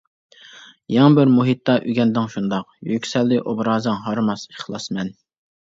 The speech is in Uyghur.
يېڭى بىر مۇھىتتا ئۆگەندىڭ شۇنداق، يۈكسەلدى ئوبرازىڭ ھارماس ئىخلاسمەن.